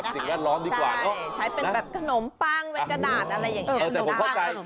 ใช่ใช้เป็นแบบขนมปังเป็นกระดาษอะไรอย่างนี้